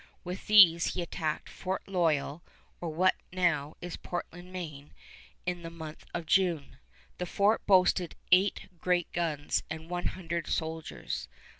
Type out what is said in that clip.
With these he attacked Fort Loyal, or what is now Portland, Maine, in the month of June. The fort boasted eight great guns and one hundred soldiers.